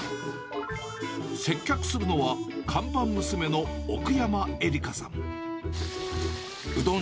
接客するのは、看板娘の奥山絵里香さん。